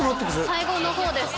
最後の方です